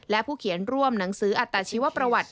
และผู้เขียนร่วมหนังสืออัตตาชีวประวัติ